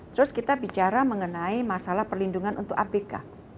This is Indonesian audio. terus kita bicara mengenai masalah perlindungan untuk abk